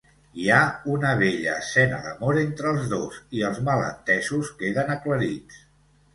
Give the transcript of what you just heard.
Hi ha una bella escena d'amor entre els dos, i els malentesos queden aclarits.